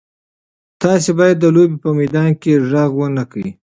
تاسي باید د لوبې په میدان کې غږ ونه کړئ.